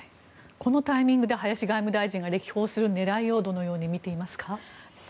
このタイミングで林外務大臣が歴訪する狙いをどのようにみていますか？